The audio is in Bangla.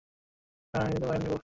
কিন্তু স্যার, আমি ওয়াইন নেবো।